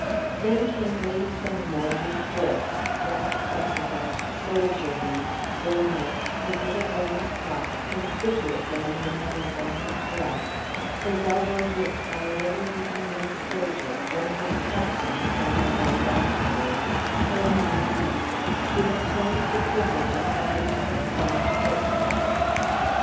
Then came Lady Fenimore with Boyce, black spectacled, soldierly, bull necked, his little bronze cross conspicuous among the medals on his breast, his elbow gripped by a weatherbeaten young soldier, one of his captains, as I learned afterwards, home on leave, who had claimed the privilege of guiding his blind footsteps.